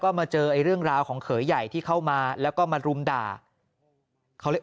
มาเจอไอ้เรื่องราวของเขยใหญ่ที่เข้ามาแล้วก็มารุมด่าเขาเลย